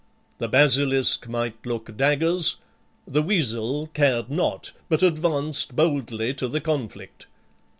The basilisk might look daggers, the weasel cared not, but advanced boldly to the conflict.